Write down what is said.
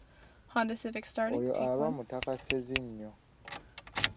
Oyo aba mutaka Ssezinnyo.